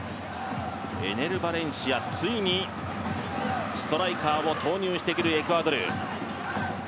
エネル・バレンシアついにストライカーを投入してくるエクアドル。